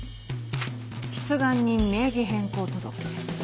出願人名義変更届。